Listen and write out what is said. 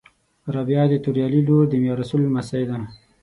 رابعه د توریالي لور د میارسول لمسۍ ده